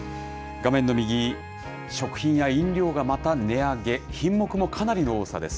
画面の右、食品や飲料がまた値上げ、品目もかなりの多さです。